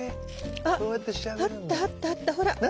あっあったあったあったほら。